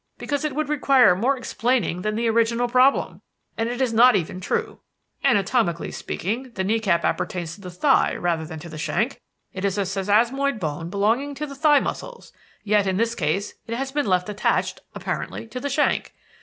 Because it would require more explaining than the original problem. And it is not even true. Anatomically speaking, the knee cap appertains to the thigh rather than to the shank. It is a sesamoid bone belonging to the thigh muscles; yet in this case it has been left attached, apparently to the shank.